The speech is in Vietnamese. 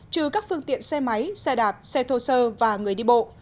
trừ các phương tiện xe máy xe đạp xe thô sơ và người đi bộ